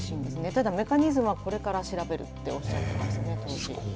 ただメカニズムはこれから調べるとおっしゃっていましたね、当時。